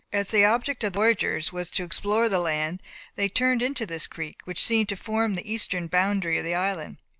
As the object of the voyagers was to explore the land, they turned into this creek, which seemed to form the eastern boundary of the island.